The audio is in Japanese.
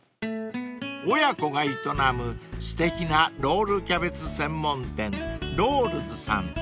［親子が営むすてきなロールキャベツ専門店ｒｏｌｌｓさん］